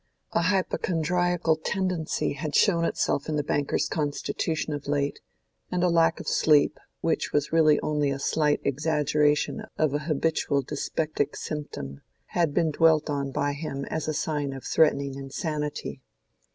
A hypochondriacal tendency had shown itself in the banker's constitution of late; and a lack of sleep, which was really only a slight exaggeration of an habitual dyspeptic symptom, had been dwelt on by him as a sign of threatening insanity.